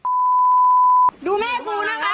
ทางเข้าไปเพราะว่าถ้าเราเข้าไปอ่ะ